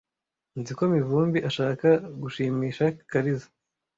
Nzi ko Mivumbi ashaka gushimisha Kariza .